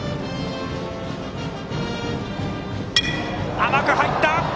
甘く入った！